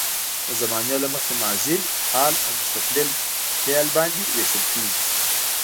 د زمانې له مخې ماضي، حال او مستقبل فعل باندې ویشل کیږي.